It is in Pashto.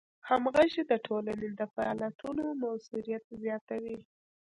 همغږي د ټولنې د فعالیتونو موثریت زیاتوي.